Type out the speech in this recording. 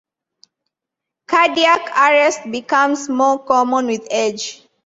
Cardiac arrest becomes more common with age.